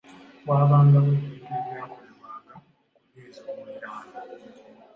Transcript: Waabangawo ebintu ebyakolebwanga okunyweza omuliraano.